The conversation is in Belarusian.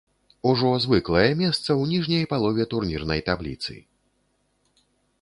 Ужо звыклае месца ў ніжняй палове турнірнай табліцы.